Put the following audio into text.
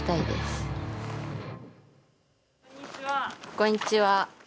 こんにちは。